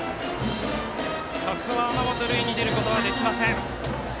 ここは天本塁に出ることができません。